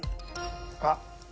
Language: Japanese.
あっ。